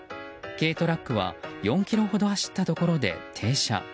軽トラックは４ｋｍほど走ったところで停車。